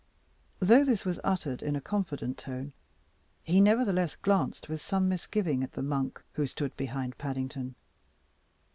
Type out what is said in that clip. Though this was uttered in a confident tone, he nevertheless glanced with some misgiving at the monk, who stood behind Paddington.